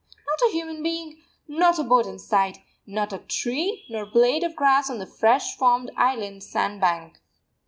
Not a human being, not a boat in sight; not a tree, nor blade of grass on the fresh formed island sand bank.